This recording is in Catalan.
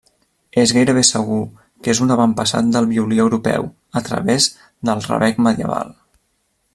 És gairebé segur que és un avantpassat del violí europeu, a través del rabec medieval.